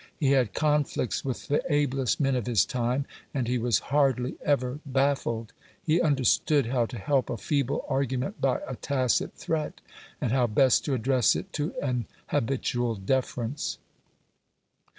He had conflicts with the ablest men of his time, and he was hardly ever baffled. He understood how to help a feeble argument by a tacit threat, and how best to address it to an habitual deference.